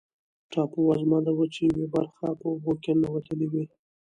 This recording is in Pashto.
ټاپووزمه د وچې یوه برخه په اوبو کې ننوتلې وي.